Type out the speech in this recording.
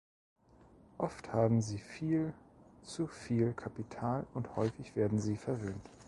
Oft haben sie viel zu viel Kapital und häufig werden sie verwöhnt.